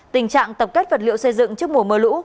tình trạng tập kết vật liệu xây dựng trước mùa mưa lũ